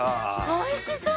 おいしそう！